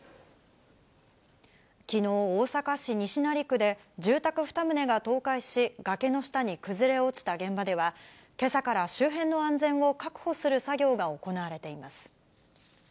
きのう、大阪市西成区で、住宅２棟が倒壊し、崖の下に崩れ落ちた現場では、けさから周辺の安全を確保する作業が行われています。